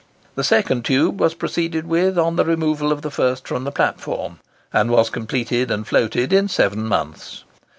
The second tube was proceeded with on the removal of the first from the platform, and was completed and floated in seven months.